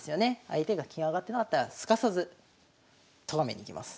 相手が金上がってなかったらすかさずとがめに行きます。